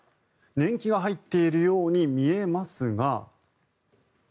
年季が入っているように見えますが。